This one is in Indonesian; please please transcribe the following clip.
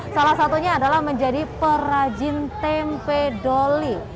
salah satunya adalah menjadi perajin tempe doli